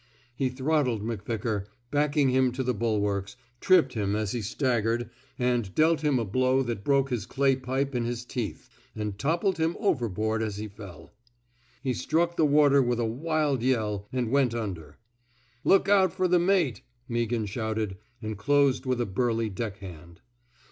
He throttled McVickar, backed him to the bulwarks, tripped him as he staggered, and dealt him a blow that broke his clay pipe in his teeth, and toppled him overboard as he fell. 57 THE SMOKE EATEES He struck the water with a wild yell, and went under. Look out fer the mate,'* Meaghan shouted, and closed with a burly deck hand.